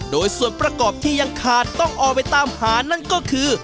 โดยส่วนประกอบที่ยังขาดต้องออกไปตามหานั่นก็คือ